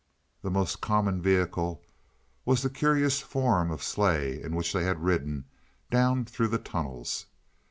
The most common vehicle was the curious form of sleigh in which they had ridden down through the tunnels.